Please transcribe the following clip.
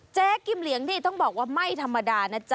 เจ๊กิมเหลียงนี้ต้องบอกว่าไม่ธรรมดา